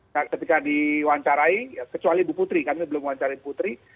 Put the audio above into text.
nah ketika diwawancarai kecuali ibu putri kami belum wawancari ibu putri